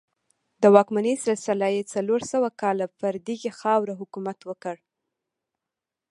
د واکمنۍ سلسله یې څلور سوه کاله پر دغې خاوره حکومت وکړ